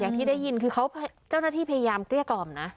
อย่างที่ได้ยินคือเจ้าหน้าที่พยายามเกรียร์กรอบนะ